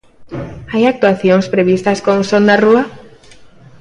Hai actuacións previstas con SonDaRúa?